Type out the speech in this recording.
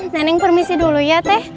neneng permisi dulu ya teh